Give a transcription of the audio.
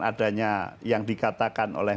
adanya yang dikatakan oleh